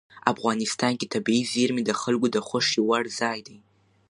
افغانستان کې طبیعي زیرمې د خلکو د خوښې وړ ځای دی.